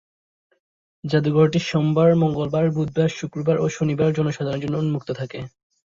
জাদুঘরটি সোমবার, মঙ্গলবার, বুধবার, শুক্রবার ও শনিবার জনসাধারণের জন্য উন্মুক্ত থাকে।